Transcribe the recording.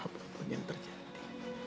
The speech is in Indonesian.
apa pun yang terjadi